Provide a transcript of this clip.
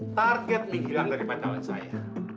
target nih hilang dari pantauan saya